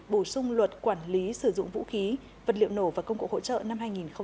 bổ sung luật quản lý sử dụng vũ khí vật liệu nổ và công cụ hỗ trợ năm hai nghìn một mươi bảy